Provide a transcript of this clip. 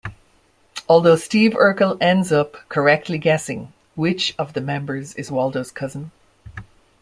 Although Steve Urkel ends up correctly guessing which of the members is Waldo's cousin.